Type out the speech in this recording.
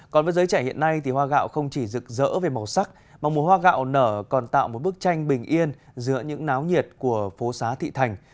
còn với giới trẻ hiện nay thì hoa gạo không chỉ rực rỡ về màu sắc mà mùa hoa gạo nở còn tạo một bức tranh bình yên giữa những náo nhiệt của phố xá thị thành